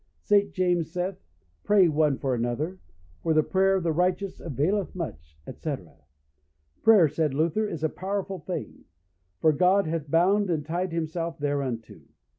St. James saith, "Pray one for another, for the prayer of the righteous availeth much," etc. Prayer, said Luther, is a powerful thing; for God hath bound and tied himself thereunto.